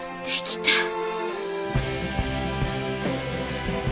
できた。